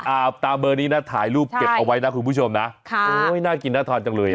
ตามเบอร์นี้นะถ่ายรูปเก็บเอาไว้นะคุณผู้ชมนะค่ะโอ้ยน่ากินน่าทานจังเลยอ่ะ